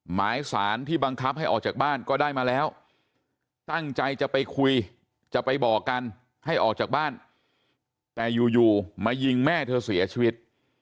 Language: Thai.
หมายสารที่บังคับให้ออกจากบ้านก็ได้มาแล้วตั้งใจจะไปคุยจะไปบอกกันให้ออกจากบ้านแต่อยู่มายิงแม่เธอเสียชีวิต